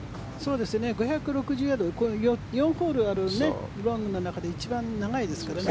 ５６０ヤードこれは４ホールあるロングの中で一番長いですからね。